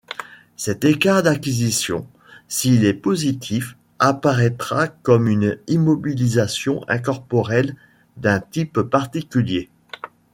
Cet écart d'acquisition, s'il est positif, apparaîtra comme une immobilisation incorporelle d'un type particulier.